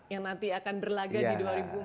yang nanti akan berlagak di dua ribu empat puluh empat